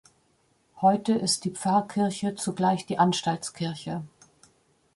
Heute ist die Pfarrkirche zugleich die Anstaltskirche.